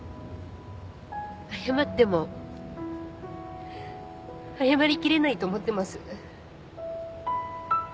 謝っても謝りきれないと思ってます。